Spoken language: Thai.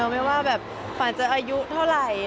ไม่ว่าแบบฝันจะอายุเท่าไหร่